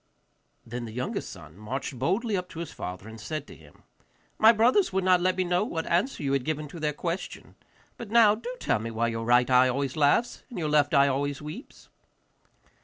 Then the youngest son marched boldly up to his father and said to him, 'My brothers would not let me know what answer you had given to their question. But now, do tell me why your right eye always laughs and your left eye always weeps.